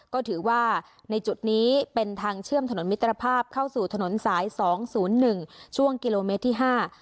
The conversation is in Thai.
ก็ถือว่าในจุดนี้เป็นทางเชื่อมถนนมิตรภาพเข้าสู่ถนนสายสองศูนย์หนึ่งช่วงกิโลเมตรที่ห้า